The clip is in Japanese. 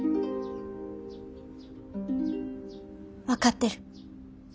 分かってる。